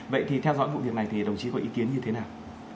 vậy thì theo dõi vụ việc này thì đồng chí có ý kiến như thế nào